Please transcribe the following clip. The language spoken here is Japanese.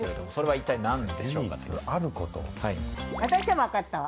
私は分かったわ。